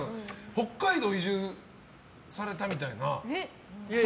北海道移住されたみたいな。